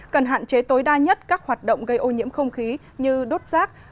cần hạn chế tối đa nhất các hoạt động gây ô nhiễm không khí như đốt rác